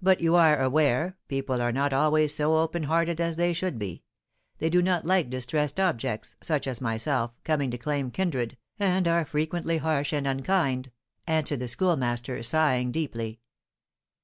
But, you are aware, people are not always so open hearted as they should be; they do not like distressed objects, such as myself, coming to claim kindred, and are frequently harsh and unkind," answered the Schoolmaster, sighing deeply.